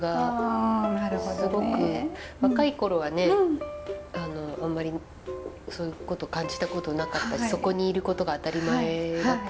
若い頃はねあんまりそういうこと感じたことなかったしそこにいることが当たり前だったんですけど。